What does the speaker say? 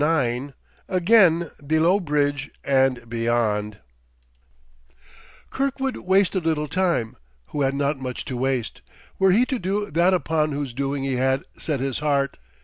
IX AGAIN "BELOW BRIDGE"; AND BEYOND Kirkwood wasted little time, who had not much to waste, were he to do that upon whose doing he had set his heart.